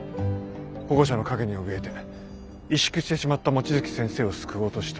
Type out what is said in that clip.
保護者の影に怯えて萎縮してしまった望月先生を救おうとした。